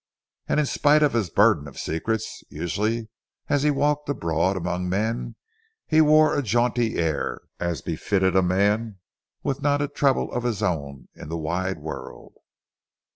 And in spite of his burden of secrets, usually as he walked abroad among men, he wore a jaunty air, as befitted a man with not a trouble of his own in the wide world.